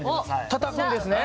たたくんですね。